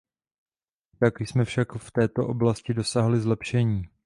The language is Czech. I tak jsme však v této oblasti dosáhli zlepšení.